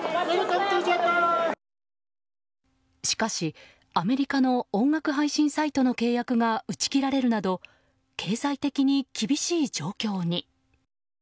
しかし、アメリカの音楽配信サイトの契約が打ち切られるなど経済的に厳しい状況に。